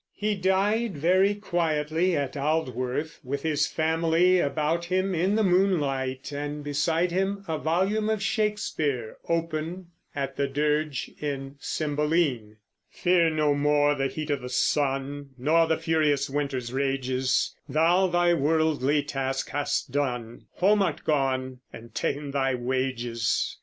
He died very quietly at Aldworth, with his family about him in the moonlight, and beside him a volume of Shakespeare, open at the dirge in Cymbeline: Fear no more the heat o' the sun, Nor the furious winter's rages; Thou thy worldly task hast done, Home art gone, and ta'en thy wages.